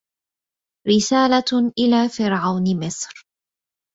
رسالة إلى فرعون مصر